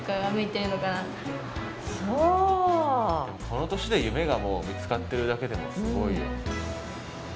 この年で夢がもう見つかってるだけでもすごいよ。